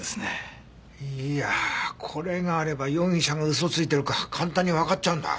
いやあこれがあれば容疑者が嘘ついてるか簡単にわかっちゃうんだ。